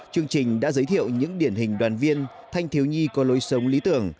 chương trình đã giới thiệu những điển hình đoàn viên thanh thiếu nhi có lối sống lý tưởng